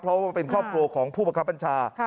เพราะว่ามันเป็นข้อโปรของผู้ประครับปัญชา